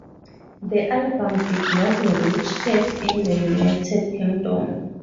The album did not reach chart in the United Kingdom.